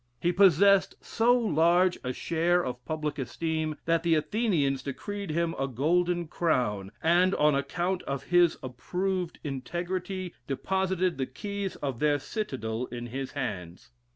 He possesed so large a share of public esteem that the Athenians decreed him a golden crown, and on account of his approved integrity, deposited the keys of their citadel in his hands.